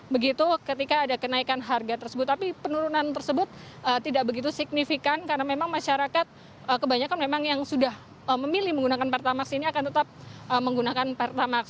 begitu ketika ada kenaikan harga tersebut tapi penurunan tersebut tidak begitu signifikan karena memang masyarakat kebanyakan memang yang sudah memilih menggunakan pertamax ini akan tetap menggunakan pertamax